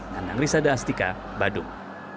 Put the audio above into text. nangrisada astika badung